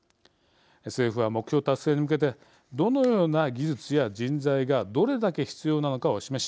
政府は目標達成に向けてどのような技術や人材がどれだけ必要なのかを示し